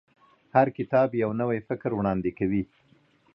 هر کتاب یو نوی فکر وړاندې کوي.